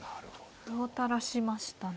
歩を垂らしましたね。